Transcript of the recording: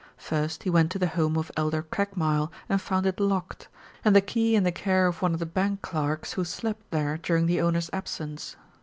First he went to the home of Elder Craigmile and found it locked, and the key in the care of one of the bank clerks who slept there during the owner's absence.